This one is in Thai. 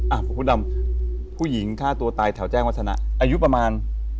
พระคุณดำผู้หญิงฆ่าตัวตายแถวแจ้งวัฒนะอายุประมาณ